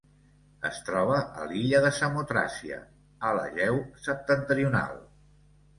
Es troba a l'illa de Samotràcia, a l'Egeu septentrional.